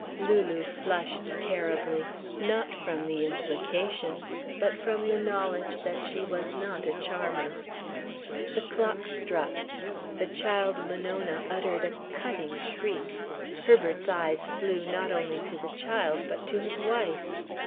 Lulu flushed terribly. Not from the implication. But from the knowledge that she was not a charmer. The clock struck. The child Monona uttered a cutting shriek. Herbert's eyes flew not only to the child but to his wife.